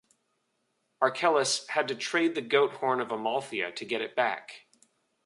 Achelous had to trade the goat horn of Amalthea to get it back.